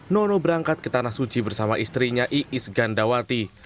nono berangkat ke tanah suci bersama istrinya iis gandawati